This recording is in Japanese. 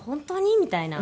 みたいな。